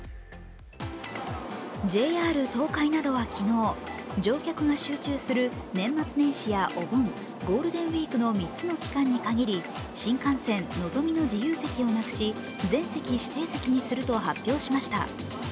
ＪＲ東海などは昨日、乗客が集中する年末年始やお盆、ゴールデンウイークの３つの期間に限り新幹線のぞみの自由席をなくし全席指定席にすると発表しました。